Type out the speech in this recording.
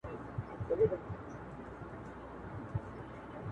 یوه ورخ پاچا وزیر ته ویل خره!